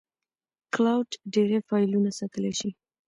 کلاوډ ډېری فایلونه ساتلی شي.